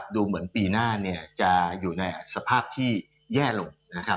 ดูเหมือนปีหน้าจะอยู่ในสภาพที่แย่ลงนะครับ